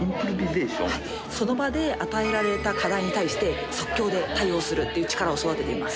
その場で与えられた課題に対して即興で対応するっていう力を育てています。